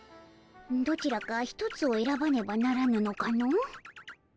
どちらか一つをえらばねばならぬのかの？